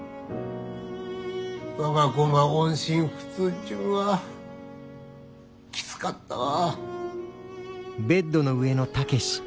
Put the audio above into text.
我が子が音信不通っちゅうんはきつかったわ。